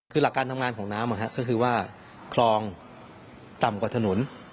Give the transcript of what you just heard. คือหลักการทำงานของน้ำก็คือว่าคลองต่ำกว่าถนน